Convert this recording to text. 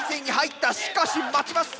しかし待ちます。